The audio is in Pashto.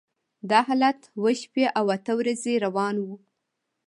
دا حالت اوه شپې او اته ورځې روان و.